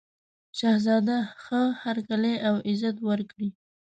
شهزاده ښه هرکلی او عزت وکړي.